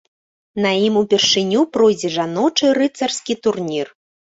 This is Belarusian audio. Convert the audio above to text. На ім упершыню пройдзе жаночы рыцарскі турнір.